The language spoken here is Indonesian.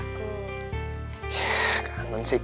kamu udah kangen ya salah aku